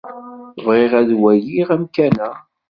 Bɣiɣ ad waliɣ amkan-a.